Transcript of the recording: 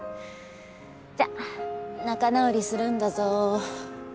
じゃ仲直りするんだぞ。